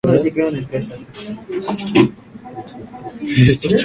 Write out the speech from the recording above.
La canción tiene a Mike Love con la voz principal.